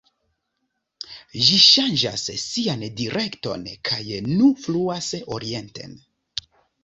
Ĝi ŝanĝas sian direkton kaj nu fluas orienten.